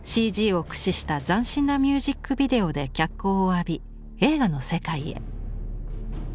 ＣＧを駆使した斬新なミュージックビデオで脚光を浴び映画の世界へ。